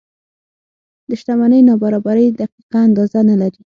د شتمنۍ نابرابرۍ دقیقه اندازه نه لري.